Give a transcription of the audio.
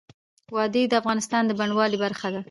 وادي د افغانستان د بڼوالۍ برخه ده.